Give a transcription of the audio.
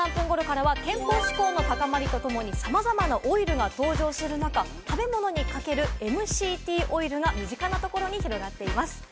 ９時１３分ごろからは、健康志向の高まりとともにさまざまなオイルが登場する中、食べ物にかけるＭＣＴオイルが身近なところに広がっています。